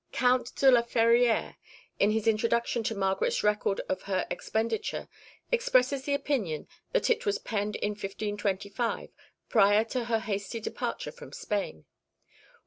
Count de la Ferrière, in his introduction to Margaret's record of her expenditure, (2) expresses the opinion that it was penned in 1525, prior to her hasty departure from Spain; while M.